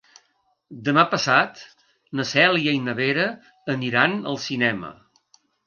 Demà passat na Cèlia i na Vera aniran al cinema.